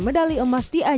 penduduk tu cities